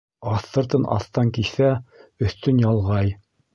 Аҫтыртын аҫтан киҫә, өҫтөн ялғай.